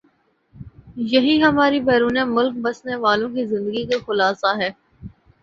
یہی ہماری بیرون ملک بسنے والوں کی زندگی کا خلاصہ ہے